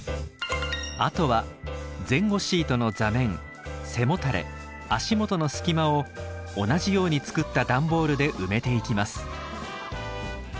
あとは前後シートの座面背もたれ足元の隙間を同じように作った段ボールで埋めていきます。